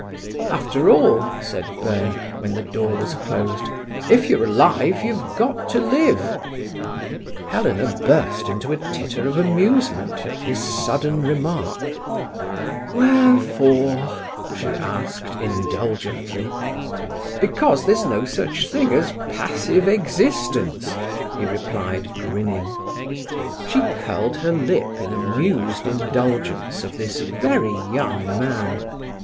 "After all," said Byrne, when the door was closed, "if you're alive you've got to live." Helena burst into a titter of amusement at this sudden remark. "Wherefore?" she asked indulgently. "Because there's no such thing as passive existence," he replied, grinning. She curled her lip in amused indulgence of this very young man.